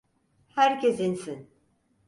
Herkes insin!